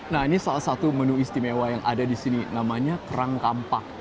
nah ini salah satu menu istimewa yang ada di sini namanya kerang kampak